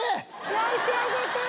焼いてあげてー。